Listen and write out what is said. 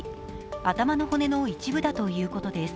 頭の骨の一部だということです。